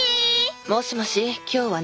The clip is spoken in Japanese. もしもし今日はね